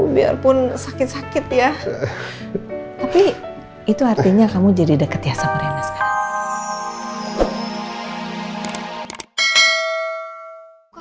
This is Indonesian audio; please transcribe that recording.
biarpun sakit sakit ya tapi itu artinya kamu jadi dekat ya sama rena sekarang